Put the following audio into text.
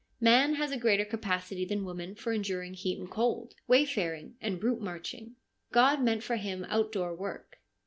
Man has a greater capacity than woman for enduring heat and cold, wayfaring and route marching. God meant for him outdoor work.